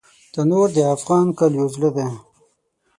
تنور د افغان کلیو زړه دی